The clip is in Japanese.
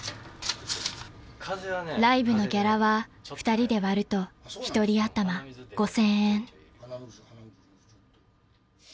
［ライブのギャラは２人で割ると一人頭５，０００円］